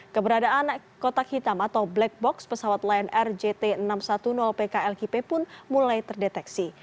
keberadaan kotak hitam atau black box pesawat lion air jt enam ratus sepuluh pklkp pun mulai terdeteksi